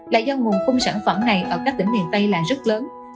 là do nguồn cung sản phẩm này ở các tỉnh miền tây là rất lớn